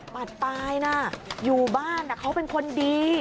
ปาดตายนะอยู่บ้านเขาเป็นคนดี